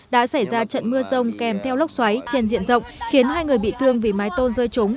đã xảy ra trận mưa rông kèm theo lốc xoáy trên diện rộng khiến hai người bị thương vì mái tôn rơi trúng